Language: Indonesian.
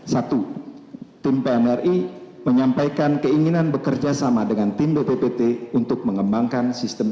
satu tim pmri menyampaikan keinginan bekerja sama dengan tim bppt untuk mengembangkan sistem